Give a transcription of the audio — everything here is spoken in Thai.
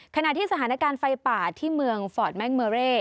ขณะที่สถานการณ์ไฟป่าที่เมืองฟอร์ดแม่งเมอเร่